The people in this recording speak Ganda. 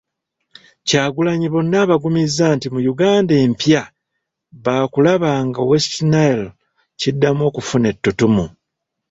Kyagulanyi bano abagumizza nti mu Uganda empya, baakulaba nga West Nile kiddamu okufuna ettutumu .